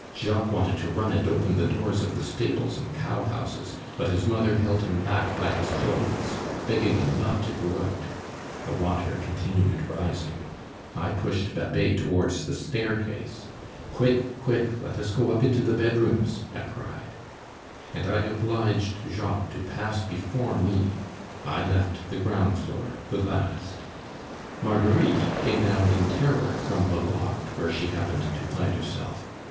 Jacques wanted to run and open the doors of the stables and cowhouses; but his mother held him back by his clothes, begging him not to go out. The water continued rising. I pushed Babet towards the staircase. "Quick, quick, let us go up into the bedrooms," I cried. And I obliged Jacques to pass before me. I left the ground floor the last. Marguerite came down in terror from the loft where she happened to find herself.